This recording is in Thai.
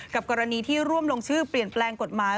กรณีที่ร่วมลงชื่อเปลี่ยนแปลงกฎหมาย